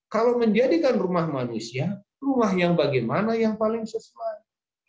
kalau menjadikan rumah manusia rumah yang bagaimana yang paling sesuai